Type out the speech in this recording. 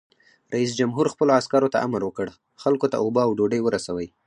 رئیس جمهور خپلو عسکرو ته امر وکړ؛ خلکو ته اوبه او ډوډۍ ورسوئ!